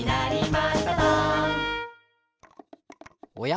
おや？